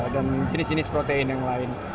dan jenis jenis protein yang lain